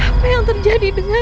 apa yang terjadi denganku